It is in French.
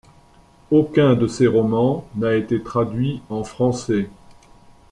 Aucun de ses romans n'a été traduit en français.